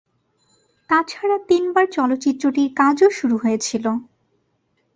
তাছাড়া তিনবার চলচ্চিত্রটির কাজও শুরু হয়েছিল।